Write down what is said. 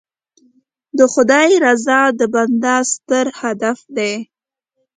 د خدای رضا د بنده ستر هدف دی.